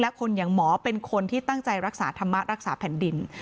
และคนอย่างหมอเป็นคนที่ตั้งใจรักษาธรรมะรักษาแผ่นดิน